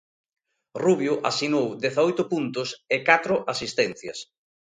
Rubio asinou dezaoito puntos e catro asistencias.